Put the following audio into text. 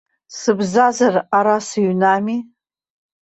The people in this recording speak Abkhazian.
Сыбзазар ара сыҩнами.